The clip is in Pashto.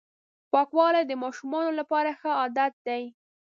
پاکوالی د ماشومانو لپاره ښه عادت دی.